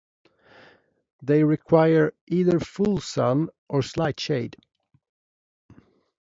They require either full sun or slight shade.